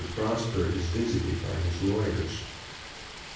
PROSPER IS VISITED BY HIS LAWYERS.